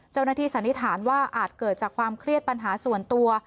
สันนิษฐานว่าอาจเกิดจากความเครียดปัญหาส่วนตัว